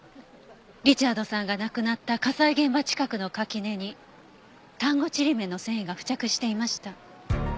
リチャードさんが亡くなった火災現場近くの垣根に丹後ちりめんの繊維が付着していました。